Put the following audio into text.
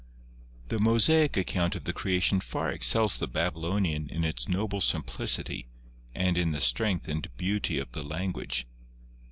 The Mosaic account of the Creation far excels the Babylonian in its noble simplicity and in the strength and beauty of the language.